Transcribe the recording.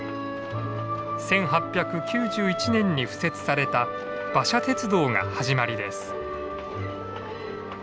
１８９１年に敷設された馬車鉄道が始まりです。